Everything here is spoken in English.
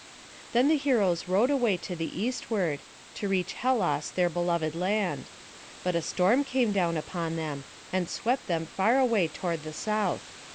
Then the heroes rowed away to the eastward, to reach Hellas their beloved land; but a storm came down upon them, and swept them far away toward the south.